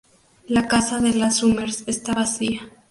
La casa de las Summers está vacía.